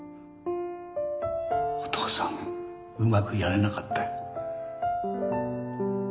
お父さんうまくやれなかったよ。